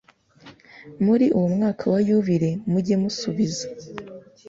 muri uwo mwaka wa yubile mujye musubiza